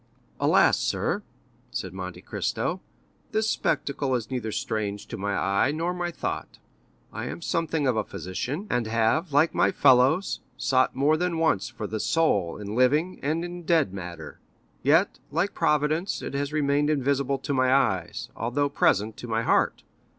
"Alas, sir," said Monte Cristo "this spectacle is neither strange to my eye nor my thought. I am something of a physician, and have, like my fellows, sought more than once for the soul in living and in dead matter; yet, like Providence, it has remained invisible to my eyes, although present to my heart.